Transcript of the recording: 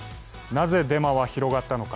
なぜデマは広がったのか。